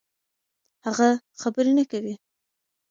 هغه خبرې نه کوي.